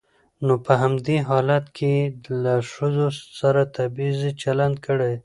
نو په همدې حالت کې يې له ښځو سره تبعيضي چلن کړى.